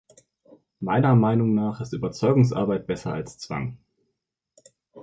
Meiner Meinung nach ist Überzeugungsarbeit besser als Zwang.